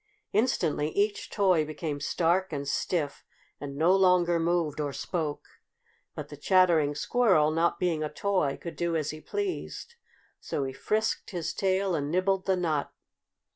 Instantly each toy became stark and stiff and no longer moved or spoke. But the Chattering Squirrel, not being a toy, could do as he pleased. So he frisked his tail and nibbled the nut.